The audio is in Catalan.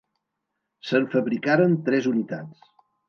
Se'n fabricaren tres unitats.